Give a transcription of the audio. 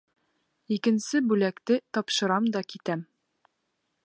Икенсе бүләкте тапшырам да китәм.